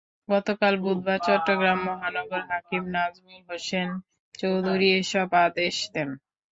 গতকাল বুধবার চট্টগ্রাম মহানগর হাকিম নাজমুল হোসেন চৌধুরী এসব আদেশ দেন।